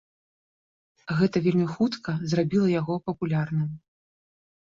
Гэта вельмі хутка зрабіла яго папулярным.